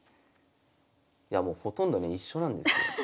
いやもうほとんどね一緒なんですよ。